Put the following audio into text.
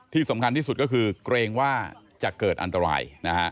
ที่สำคัญที่สุดก็คือเกรงว่าจะเกิดอันตรายนะฮะ